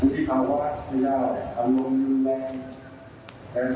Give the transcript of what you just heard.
หุติธรรมะสัญญาอารมณ์รุนแรง